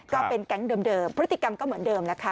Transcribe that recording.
ก็เป็นแก๊งเดิมพฤติกรรมก็เหมือนเดิมแล้วค่ะ